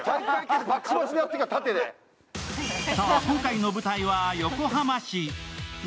今回の舞台は横浜市。